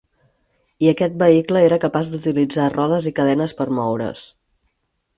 I aquest vehicle era capaç d'utilitzar rodes i cadenes per a moure's.